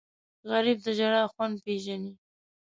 غریب د ژړا خوند پېژني